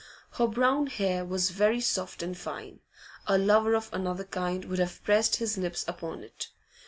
Her brown hair was very soft and fine; a lover of another kind would have pressed his lips upon it.